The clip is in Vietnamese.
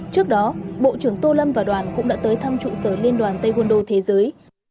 trước đó bộ trưởng tô lâm và đoàn cũng đã tới thăm trụ sở liên đoàn tây quân đô thế giới